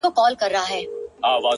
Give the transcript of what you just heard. حتمآ به ټول ورباندي وسوځيږي”